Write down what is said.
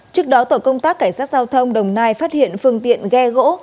trước đó tổ công tác cảnh sát giao thông đồng nai phát hiện phương tiện ghe gỗ